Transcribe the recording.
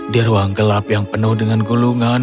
di ruang gelap yang penuh dengan gulungan